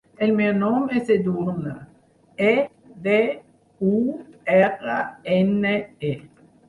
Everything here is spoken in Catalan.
El meu nom és Edurne: e, de, u, erra, ena, e.